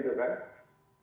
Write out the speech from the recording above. itu kan bahaya sih